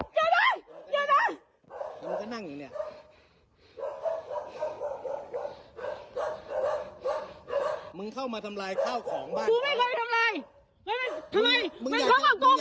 จะเรียกมันมามึงไม่ใช่ข้าวของบ้าน